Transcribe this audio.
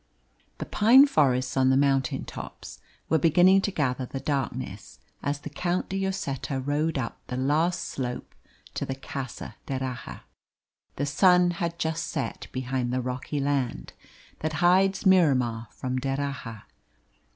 The pine forests on the mountain tops were beginning to gather the darkness as the Count de Lloseta rode up the last slope to the Casa d'Erraha. The sun had just set behind the rocky land that hides Miramar from D'Erraha.